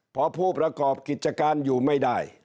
พอผู้ประกอบกิจการอยู่ไม่ได้